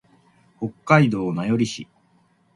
北海道名寄市